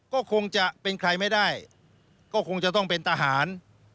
ก็คงจะเป็นใครไม่ได้ก็คงจะต้องเป็นทหาร